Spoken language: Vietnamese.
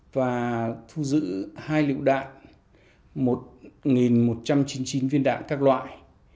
và thu giữ hai lựu đạn một một trăm chín mươi chín viên đạn các loại